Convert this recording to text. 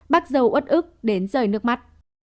bác dâu ớt ức đến rơi nước mắt